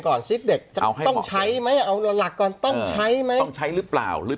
ซิเด็กจะต้องใช้ไหมเอาหลักก่อนต้องใช้ไหมต้องใช้หรือเปล่าหรือ